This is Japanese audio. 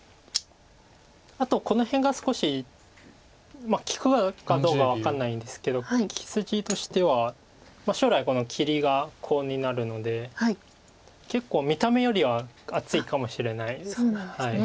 あとこの辺が少し利くかどうか分かんないんですけど利き筋としては将来この切りがコウになるので結構見た目よりは厚いかもしれないです。